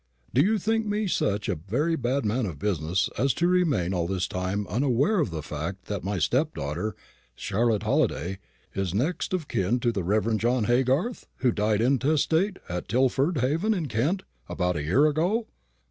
Do you think me such a very bad man of business as to remain all this time unaware of the fact that my stepdaughter, Charlotte Halliday, is next of kin to the Rev. John Haygarth, who died intestate, at Tilford Haven, in Kent, about a year ago?"